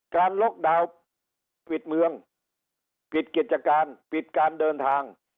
การล็อกดาวน์ปิดเมืองปิดกิจการปิดการเดินทาง